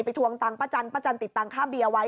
ไปทวงตังค์ป้าจันทร์ติดตังค์ค่าเบียร์ไว้